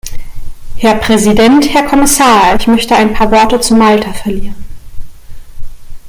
Herr Präsident, Herr Kommissar! Ich möchte ein paar Worte zu Malta verlieren.